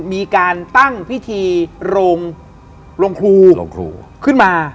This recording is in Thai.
มีการตั้งพิธีโรงครูขึ้นมา